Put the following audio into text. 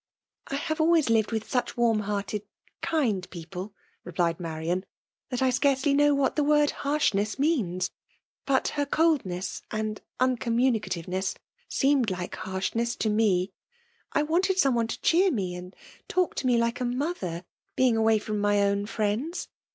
.."I have always lived with such warm hearted, kind people," replied Marian, " that I scarcely know what the word harshness means. But her coldness and uncommuni cf^veness seemed* like harshness to me. I wanted somebody to cheer me and talk to me like a mother, being away froift my own friends.